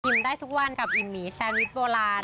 ได้ทุกวันกับอิ่มหมีแซนวิชโบราณ